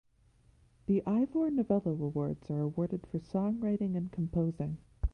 The Ivor Novello Awards are awarded for songwriting and composing.